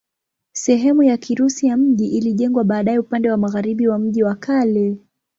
Sehemu ya Kirusi ya mji ilijengwa baadaye upande wa magharibi wa mji wa kale.